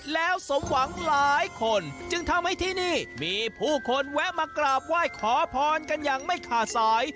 แล้วสมหวังหลายคนจึงทำให้ที่นี่มีผู้คนแวะมากราบไหว้ขอพรกันอย่างไม่ขาดสาย